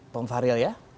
pem faryal ya